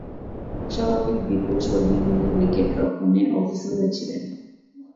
অস্বাভাবিক বিপুল শরীর নিয়ে উইকেট-রক্ষণে অগ্রসর হয়েছিলেন।